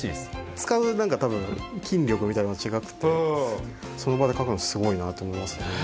使う何か多分筋力みたいなのが違くてその場で描くのすごいなと思いますね。